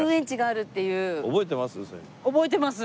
覚えてます？